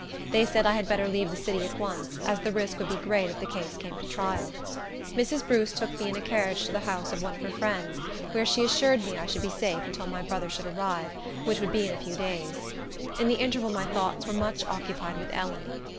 They said I had better leave the city at once, as the risk would be great if the case came to trial. Mrs. Bruce took me in a carriage to the house of one of her friends, where she assured me I should be safe until my brother could arrive, which would be in a few days. In the interval my thoughts were much occupied with Ellen.